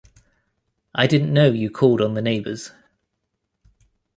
I didn't know you called on the neighbours.